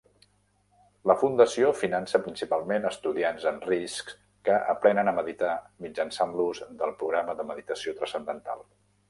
La fundació finança principalment estudiants en risc que aprenen a meditar mitjançant l'ús del programa de meditació trascendental.